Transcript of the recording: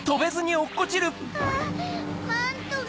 あっマントが。